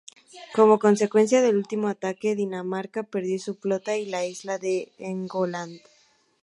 Como consecuencia del último ataque, Dinamarca perdió su flota y la isla de Helgoland.